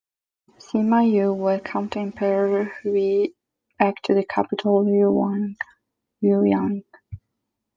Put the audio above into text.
Sima Yue welcomed Emperor Hui back to the capital Luoyang.